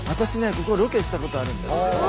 ここロケしたことあるんです。